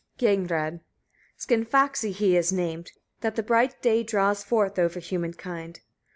Gagnrâd. 12. Skinfaxi he is named, that the bright day draws forth over human kind.